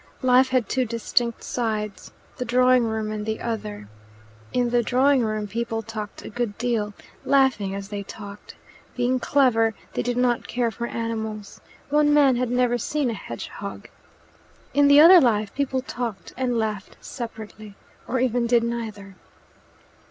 Life had two distinct sides the drawing room and the other. In the drawing room people talked a good deal, laughing as they talked. Being clever, they did not care for animals: one man had never seen a hedgehog. In the other life people talked and laughed separately, or even did neither.